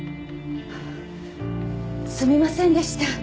すみませんでした。